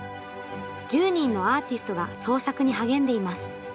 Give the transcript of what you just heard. １０人のアーティストが創作に励んでいます。